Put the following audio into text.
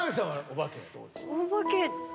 お化け。